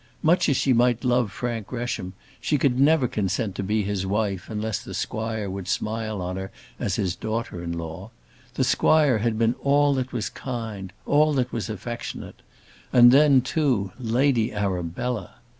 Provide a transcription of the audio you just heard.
Much as she might love Frank Gresham, she could never consent to be his wife unless the squire would smile on her as his daughter in law. The squire had been all that was kind, all that was affectionate. And then, too, Lady Arabella!